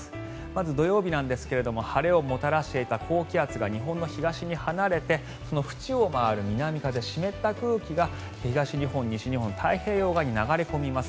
まず土曜日なんですが晴れをもたらしていた高気圧が日本の東に離れて縁を回る南風、湿った空気が東日本、西日本、太平洋側に流れ込みます。